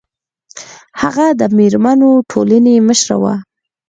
هغه د میرمنو ټولنې مشره وه